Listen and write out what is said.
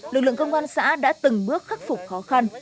lực lượng công an xã đã từng bước khắc phục khó khăn